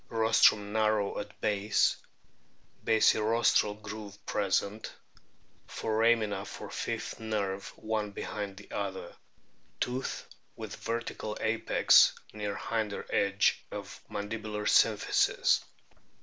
Rostrum narrow at base ; basirostral groove present ; foramina for fifth nerve one behind the other. Tooth with vertical apex, near hinder edge of mandibular symphysis.